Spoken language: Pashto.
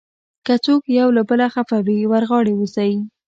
که څوک یو له بله خفه وي، ور غاړې وځئ.